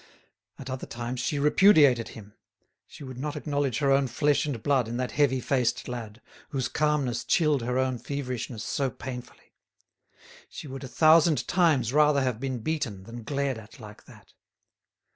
At other times she repudiated him; she would not acknowledge her own flesh and blood in that heavy faced lad, whose calmness chilled her own feverishness so painfully. She would a thousand times rather have been beaten than glared at like that.